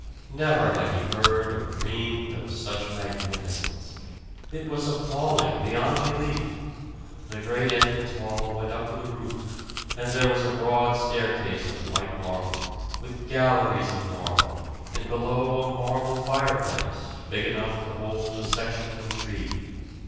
Never had he heard or dreamed of such magnificence. It was appalling, beyond belief! The great entrance hall went up to the roof; and there was a broad staircase of white marble, with galleries of marble, and below a marble fireplace, big enough to hold a section of a tree.